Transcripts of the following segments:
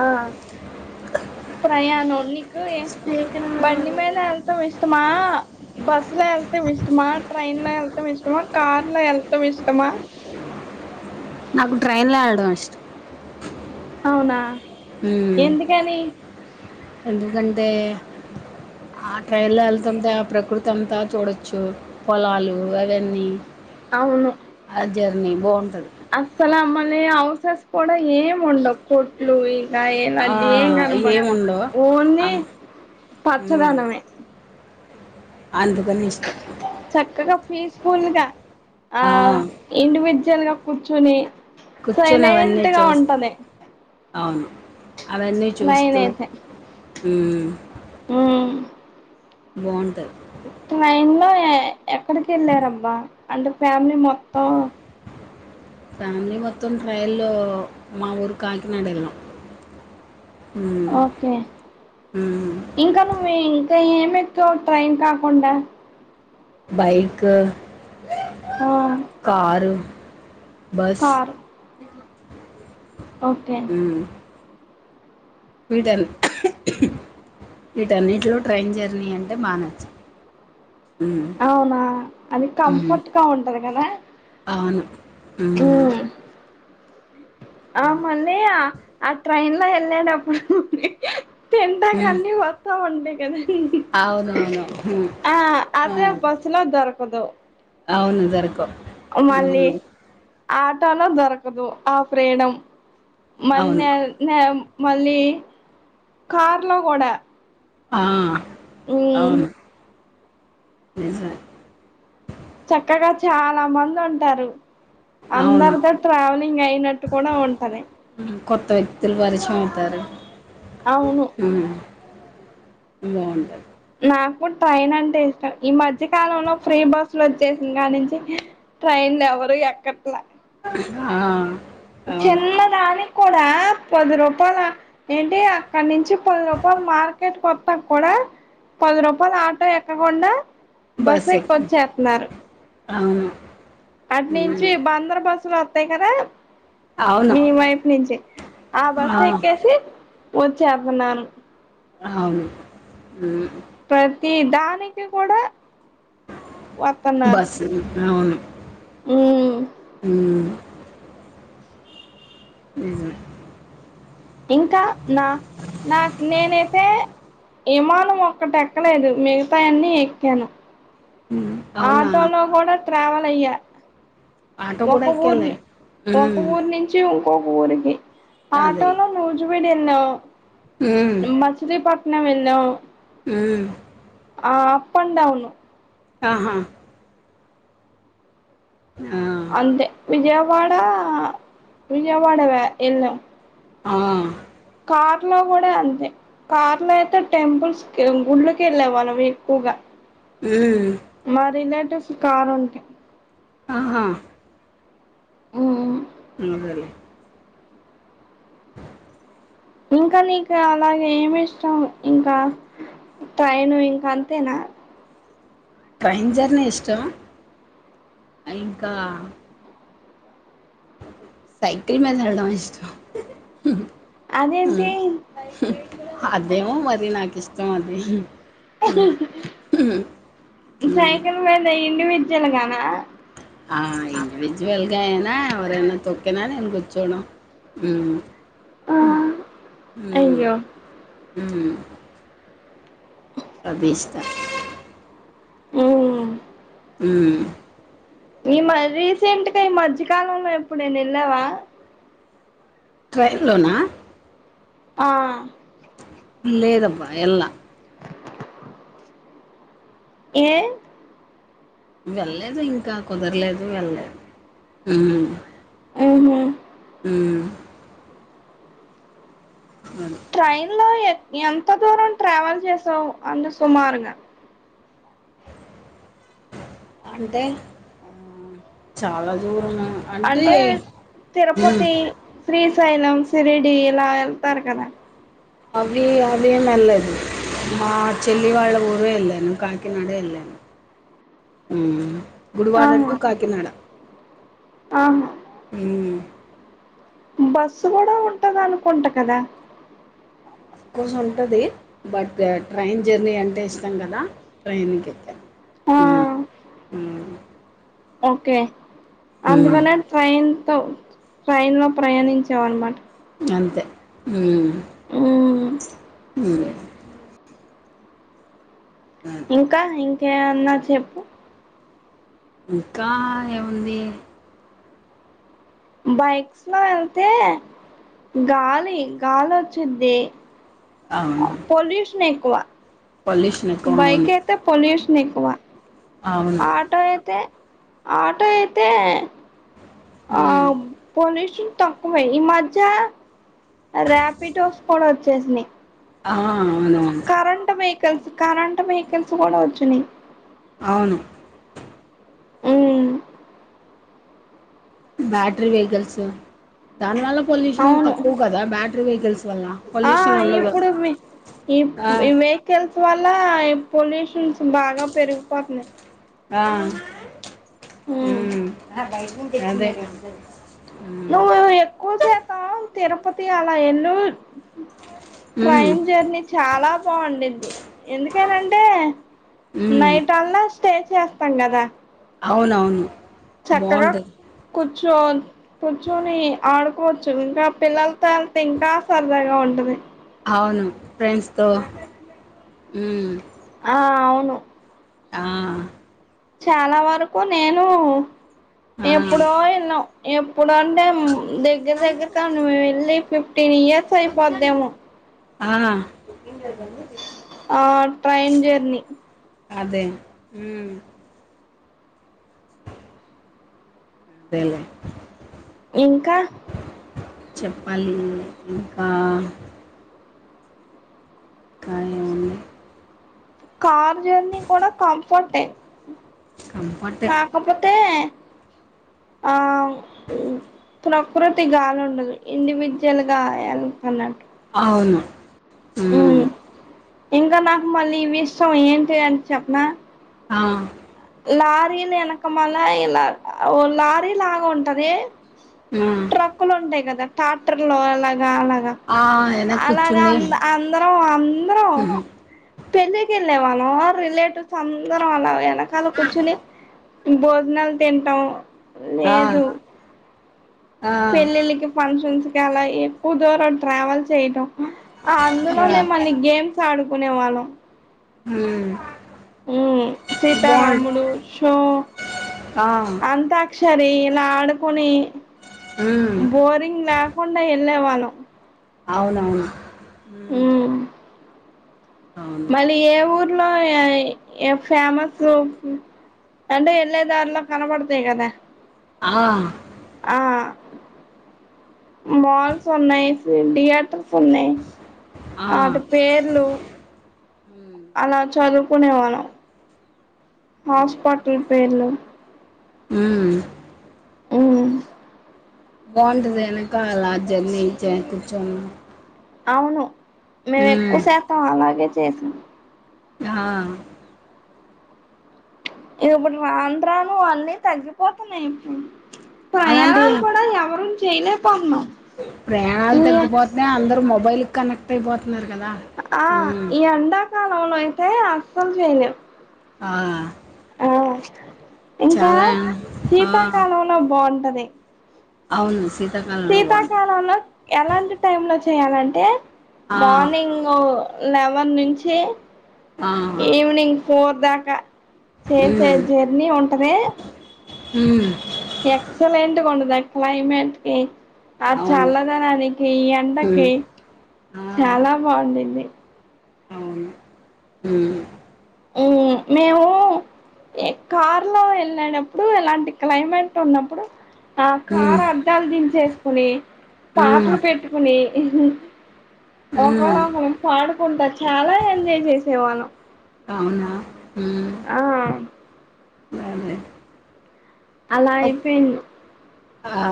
ఆ ప్రయాను బండి మీద వెళ్లటం ఇష్టమా బస్సులో వెళ్ళ్తాం ఇష్టమా ట్రైన్ ఎల్తాం ఇష్టమా కార్లా ఎళ్తం ఇష్టమా నాకు ట్రైన్లో ఎలాడం ఇష్టం అవునా ఉ ఎందుకని ఎందుకంటే ఆ ట్రైన్లో వెళ్తుంటే ఆ ప్రకృతి అంతా చూడొచ్చు పొలాలు అవన్నీ అవును ఆ జర్నీ బాగుంటది అస్సలు అమ్మని హౌసెస్ కూడా ఏం ఉండవు కొట్లు ఈ లడి ఏం ఆ అన్ది కనపడవ్ ఏముండవు ఆ, ఓన్లీ ఉమ్, పచ్చదనమే అందుకని ఇష్టం చక్కగా పీస్ఫుల్గా ఆ ఇండి విజువల్ గా కూర్చుని కూర్చొని అవన్నీ సైలెంట్ గా చూస్తూ ఉంటది అవును అవన్నీ ట్రైన్ చూస్తూ అయితే ఉమ్ ఉమ్ బావుంటాది ట్రైన్ లో ఎక్కడికి వెళ్లర్ అబ్బా అంటే ఫ్యామిలీ మొత్తం ఫ్యామిలీ మొత్తం ట్రైన్ లో మా ఊరు కాకినాడ వెళ్లినం ఓకే ఉమ్, ఇంకా నువ్వు ఇంకా ఏమి ఎక్కవు ట్రైన్ కాకుండా బైకు ఆ కారు బస్సు కారు ఓకే ఉమ్ వీటి వీటన్నింటిలో ట్రైన్ జర్నీ అంటే బా న అవునా అది మ్మ్ కంఫర్ట్ గా ఉంటంది కదా అవును ఉహ్మ్ ఉమ్. ఆ మళ్ళీ ఆ ట్రైన్ లో ఏళ్ళేటప్పుడు తిందాకా మ్మ్ అన్ని వత్తా ఉండయ్ కాదండి. అవునవును మ్మ్ ఆ ఆ అదే బస్సులో దొరుకదో అవును జోర్కావ్ మళ్ళీ ఆటలో దొరకదు ఆ ఫ్రీడమ్ మళ్ళీ అవును నేన్ నే మళ్ళీ కార్ లో గూడా ఆ అవును నిజమే చక్కగా చాలా మంది ఉంటారు. అవును అందరితో ట్రావెలింగ్ అయినట్టు కూడా ఉంటది. ఉహ్ కొత్త వ్యక్తులు పరిచయం అవుతారు అవును ఉహ్మ్ బావుండాద్ నాకు ట్రైన్ అంటే ఇష్టం ఈ మధ్య కాలంలో ఫ్రీ బస్సులు వచ్చేసి కానీ నుంచి ట్రైన్లో ఎవరు ఎక్కట్లే ఆ అవును చిన్నదానికి కూడా పది రూపాలా ఏంటి అక్కడ నుంచి పది రూపాలు మార్కెట్కి వత్తా కూడా పది రూపాయలు ఆటో ఎక్కకుండా బస్ బస్సు ఎక్కి ఎక్కొచ్చేత్తున్నారు అవును అట్ నుంచి మ్మ్ బందర్ బస్సులు వసతాయి కదా అవును మీ వైపు నుంచే ఆ బస్సు ఎక్కేసి వచ్చేతున్నాను. అవును ఉహ్మ్ ప్రతి దానికి కూడా వత్తున్నారు బస్సు ఉహ్ ఉహ్మ్ నిజమే ఇంకా నా నాకు నేనైతే విమానం ఒక్కటి ఎక్కలేదు మిగతై అన్నీ ఎక్కాను. అవునా ఆటోలో గూడా ట్రావెల్ అయా ఆటో ఒక కూడా ఎక్కేళ్ళే ఊరుని ఒక హ్మ్ ఊరనీ చి ఇంకా ఓక ఊరికి అదేలే ఆటోంలో నూజు పేడి ఏళ్లవ్ హ్మ్ ఈ మచిలీపట్నం ఏళ్ళావ్ ఉహ్మ్ ఆ అప్ అండ్ డౌను ఆహా ఆ అంతే విజయవాడ విజయవాడ వె ఏళ్ళాం. ఆ కార్ లో కూడా అంతే కార్లో అయితే టెంపుల్స్ గుడ్లోక్ ఏళ్ళాం వనం ఎక్కువగా ఉహ్ మా రిలేటివ్స్ కార్ ఉంటే ఆహా ఉహుహ్ నోగారి ఇంకా నీకు అలాగే ఏమి ఇష్టం ఇంకా ట్రైను ఇంకా అంతే నా ట్రైన్ జర్నీ ఇష్టం ఇంకా సైకిల్ మీద వెల్లడం ఇష్టం అదేంటి హ్మ్ అదేమో మరి నాకు ఇష్టం అది హ్మ్ హ్మ్ సైకిల్ మీద ఇండివిజువల్ గానా ఆ ఇడివిజువల్గాయనా ఎవరైన తొక్కిన నేను కూచోడం హ్మ్ ఆ హు హు అయ్యో హ్మ్ హు అది ఇష్ట హ్మ్ హ్మ్ ఈ మ రీసెంట్గా ఈ మధ్యకాలంలో ఎప్పుడు నేను వెళ్ళావా ట్రైన్లోనా ఆహ్ లేదబ్బా ఎల్లా ఏ వెళ్లేదు ఇంకా కుదరలేదు వెళ్లేదు ఉహ్ ఉహు ఉహ్ అవునని ట్రైన్ లో ఎ ఎంత దూరం ట్రావెల్ చేసావు అందు సుమారుగా అంటే చాలా దూరం అంటే హ్మ్ తిరుపతి శ్రీశైలం సిరిడి ఇలా వెళ్తారు కదా అవి అవేం ఎల్లేదు మా చెల్లి వాళ్ళ ఊరే వెళ్ళాను కాకినాడే వెళ్ళాను హ్మ్ గుడివాడ టూ కాకినాడా ఆహ్ హ్మ్ బస్సు కూడా ఉంటది అనుకుంటా కదా కోసు ఉంటది బట్ ట్రైన్ జర్నీ అంటే ఇష్టం కదా ట్రైన్కి ఎక్కాను ఆ హమ్ హు ఓకే హ్మ్ అందుకనే ట్రైన్తో ట్రైన్లో ప్రయాణించామనమాట అంతే హ్మ్ ఉహ్ హు ఆ ఇంకా ఇంకెమన్నా చెప్పు ఇంకా ఏముంది బైక్స్ లో వెళ్తే గాలి గాలి వచ్చొది పొల్యూషన్ ఎక్కువ పొల్యూష బైక్ అయితే పొల్యూషన్ ఎక్కువ అవును ఆటో అయితే ఆటో అయితే ఆ హ్మ్. పొల్యూషన్ తక్కువే ఈ మధ్య ర్యాపిడ్ోస్ కూడా వచ్చేసినయ్ ఆహ్ అవును కరెంట్ వెహికల్స్ కరెంట్ వహికల్స్ కూడా వచ్చినయ్ అవును ఉమ్ బ్యాటరీ వెహికల్స్ దాని వల్ల పొల్యూషన్ అవును తక్కువ కదా బ్యాటరీ వెహికల్స్ వల్ల ఆ పొల్యూషన్ ఉండదు. ఇప్పుడు వీ ఈ ఆ! ఇవే కల్సు వల్ల పొల్యూషన్స్ బాగా పెరిగిపోతున్నాయ్ ఆ ఉమ్ హ్మ్ అదే హ్మ్. నువ్వు ఎక్కువ సేపు ఆవ్ తిరుపతి అలా ఎల్లు హ్మ్. ట్రైన్ జర్నీ చాలా బాగుండిది ఎందుకేనంటే హ్మ్. నైట్ అల్లా స్టే చేస్తాం కదా అవునవును చక్కగా బావుంటది. కుచ్చొన్ కూర్చుని ఆడుకోవచ్చు ఇంకా పిల్లలతో ఎలితే ఇంకా సరదాగా ఉంటది అవును ఫ్రెండ్స్ తో హ్మ్ ఆ అవును ఆ చాలా వరకు నేను ఆ ఎప్పుడో వెళ్ళం ఎప్పుడుంటే దగ్గర దగ్గరత మేము వెళ్ళి ఫిఫ్టీన్ ఇయర్స్ ర్స్ అయిపొదేమో ఆ ఆ ట్రైన్ జెర్నీ అదే ఉమ్ అదేలే ఇంకా చెప్పాలి ఇంకా కాయా కార్ జర్నీ కూడా కంఫర్టే కంఫర్టే కప్పోతే ఆ ప్రకృతి గాలి ఉండదు ఇండివిజువల్ గా వెళ్త అన్నట్టు అవును హ్మ్ ఇంకా నాకు మళ్ళీ ఇవ్విష్టం ఏంటి అని చెప్పిన హా లారీనీ వెనకమలా ఇలా ఓ లారీ లాగా ఉంటది హా పక్కలు ఉంటాయి కదా ట్రాక్టర్ లో అలాగే ఆ అలాగా ఆ వెనక అలాగా కూర్చుని అంద అందరం అందరం ఆ పెళ్ళకి వెళ్ళేవాళ్ళం రిలేటివ్స్ అందరం అలా వెనకాల కూర్చుని భోజనాలు తింటాం లేదు ఆ ఆ పెళ్ళిళ్ళకి ఫంక్షన్స్ కల ఎక్కువ దూరం ట్రావెల్ చేయడం ఆ అందులోనే మన గేమ్స్ ఆడుకునే వాళ్ళం హ్మ్ హ్మ్ సీతారాములు షో ఆ అంత్యక్షరీ ఇలా ఆడుకొని మ్మ్ బోరింగ్ లేకుండా వెళ్ళేవాళ్ళం అవునవును మ్మ్ ఉమ్ అవును మళ్ళీ ఏ ఊర్లో య ఇ ఫేమస్ అంటే ఎళ్ళే దారిలో కనబడతయి గదా ఆహ్ ఆ మాల్స్ ఉన్నాయేసి థియేటర్ స్ ఉన్నయి ఆ ఆటి పేర్లు మ్మ్ అలా చదువుకునేవాళ్ళం పేర్లు ఉమ్ ఉమ్ బావుంటదెనకాల జర్నీ జ కూర్చొన్ అవును మేమెక్కువ శాతం అలాగే చేసినం హా ఇగ ఇప్పుడు రాన్రాను అన్నీ తగ్గిపోతున్నయి ఇప్పుడు అలాంటి ప్రయాణాలు కూడా ఎవరం చేయలేకపోతున్నాం ప్రయాణాలు ఈ తగ్గిపోత్నే అందరు మొబైలు కనెక్ట్ అయిపోతున్నారు గదా ఆ ఈ ఎండాకాలంలో అయితే అస్సలు చేయలేం ఆ ఆ ఇంకా చాలా ఆ! సీతాకాలంలో బాగుంటది అవును శీతాకాల సీతాకాలంలో ఎలాంటి టైమ్ లో చేయాలంటే ఆ! మార్నింగ్ లెవెన్ నుంచి ఆ! ఈవినింగ్ ఫోర్ దాకా చేసే హ్మ్. జర్నీ ఉంటదీ ఉమ్ ఎక్సలెంట్ గుంటది ఆ క్లైమేట్ కి ఆ అవును. చల్లదనాని కి హ్మ్. ఎండకి ఆ! చాలా బావుంటుంది అవును ఉమ్ ఉమ్ మేమూ ఎ కార్ లో వెళ్ళేటప్పుడు ఇలాంటి క్లైమేట్ ఉన్నప్పుడు ఆ హ్మ్. కార్ అద్దాలు దించేసుకుని హ్మ్. పాటలు పెట్టుకుని హ్మ్. ఒకలొకలం పాడుకుంటా చాలా ఎంజాయ్ చేసేవాళ్ళం అవునా ఉమ్ ఆ అలా ఒక్ అయిపోయింది ఆ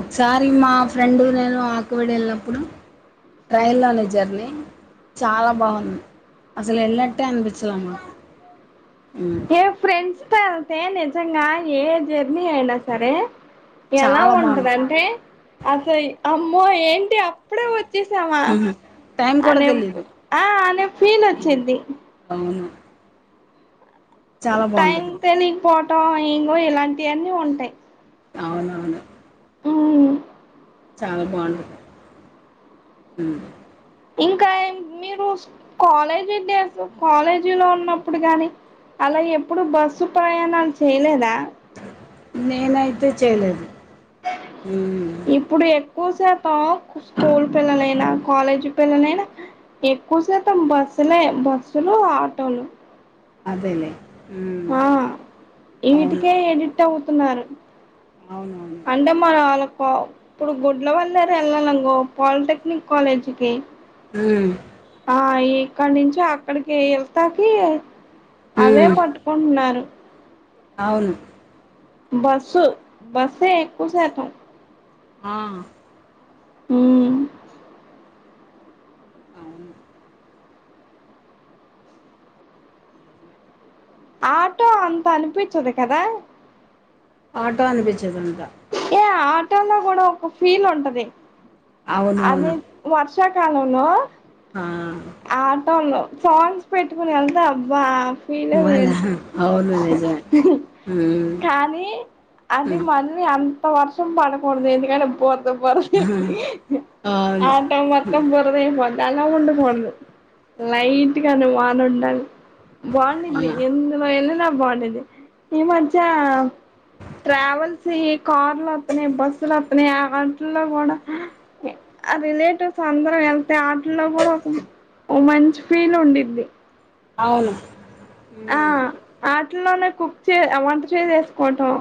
ఒక్సారి మా ఫ్రెండు నేను ఆకుబడి వెళ్ళినప్పుడు ట్రైన్ లోనే జర్ని చాలా బాగుంది అసల్ ఎల్లినట్టే అనిపించలే మాకు ఏ ఫ్రెండ్స్ తొ ఎళ్తే నిజంగా ఏ జర్నీ అయినా సరే ఎలా చాలా బాగుంది ఉంటదంటె అసలు అమ్మో ఏంటి అప్ అప్పుడే వచ్చేసామా ఉహు, టైం కూడా అనే తెలీదు ఆ అనే ఫీలొచ్చింది అవును చాలా టైం బాగుంటది తెలీక్పోవటం ఇంగో ఇలాంటివన్నీ ఉంటాయ్ అవునవును ఆ చాలా బావుంటది ఉమ్ ఇంకా ఎమ్ మీరు స్ కాలేజీడేస్ కాలేజీలో ఉన్నప్పుడు గాని అలా ఎప్పుడు బస్సు ప్రయాణాలు చెయ్యలేదా. నేనైతే చెయ్యలేదు ఇప్ ఇప్పుడు ఎక్కువశాతం స్కూల్ పిల్లలైనా కాలేజి పిల్లలైనా. ఎక్కువ శాతం బస్సులే బస్సులూ, ఆటోలు. అదేలేే ఆ ఈటికే ఎడిక్ట్ అవుతున్నారు. అవునవును అంటే మనం వాళ్ళకో ఇప్పుడు గుడ్ల వాళ్ళారు ఎళ్ళాలంగో పాలిటెక్నిక్ కాలేజీకి. ఊ ఆ ఇక్కడి నుంచి అక్కడికి ఎళ్తాకీ అవ్వే ఉమ్, పట్టుకుంటున్నారు. అవును బస్సు బస్సే ఎక్కువ శాతం ఆ హ్ము అవును ఆటో అంత అనిపిచ్చదు కదా. ఆటో అనిపిచ్చదు ఇంకా ఏ ఆటోలో కూడా ఒక ఫీల్ ఉంటది. అది అవునవును వర్షా కాలం లో హా ఆటోలో సాంగ్స్ పెట్టుకుని ఎళ్తే అబ్బా. ఫీలే ఇవ్వాల వేరు అవును నిజమే హ్మ్ కానీ అది హ్మ్ మ. రి అంత వర్షం పడకూడదు ఎందుకంటె బుర్ద బుర్ద. హ్మ్ ఆ అవును టైం మొత్తం బురద ఐ పోద్ది అలా ఉండకూడదు. లైట్గాను వాన ఉండాలి ఆ బాగుండిద్ది ఎన్ ఎందులో ఎళ్ళినా బాగుండిద్ది ఈ మధ్యా. ట్రావెల్స్ వీ కార్లు వత్తున్నయి బస్సులు వత్తున్నయి ఆ వాటిల్లో కూడా. ఆ రిలేటివ్స్ అందరం వెళ్తే ఆటిల్లో కూడా ఒక ఓ మంచి ఫీల్ ఉండిద్ది అవును ఆ ఆటిల్లోనే కుక్ చే వంట చేసేసుకోవటం.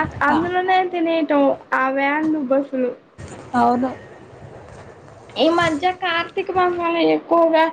ఆచ్ ఆ అందులోనే తినేయటం ఆ వ్యాన్లు బస్సులు అవును ఈ మధ్య కార్తీక మాసం లో ఎక్కువగా.